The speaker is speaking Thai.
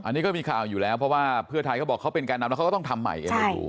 อันนี้ก็มีข่าวอยู่แล้วเพื่อไพ่เขาบอกว่าเค้าการนำแล้วจะต้องทำใหม่